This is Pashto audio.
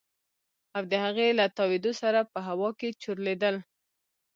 او د هغې له تاوېدو سره په هوا کښې چورلېدل.